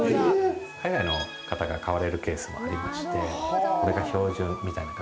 海外の方が買われるケースもあってこれが標準みたいな形になりますし。